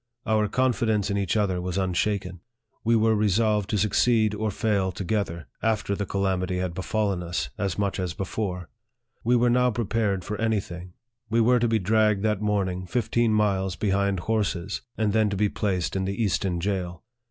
Our confidence in each other was unshaken. We were resolved to suc ceed or fail together, after the calamity had befallen us as much as before. We were now prepared for any thing. We were to be dragged that morning fifteen miles behind horses, and then to be placed in the Easton jail.